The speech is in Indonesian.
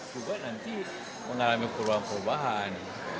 juga nanti mengalami perubahan perubahan